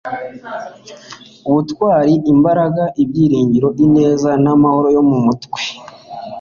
ubutwari, imbaraga, ibyiringiro, ineza, namahoro yo mu mutwe